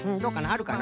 あるかな？